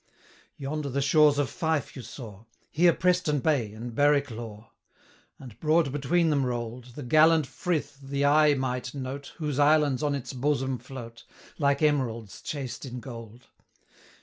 Yonder the shores of Fife you saw; Here Preston Bay, and Berwick Law; And, broad between them roll'd, The gallant Frith the eye might note, 625 Whose islands on its bosom float, Like emeralds chased in gold.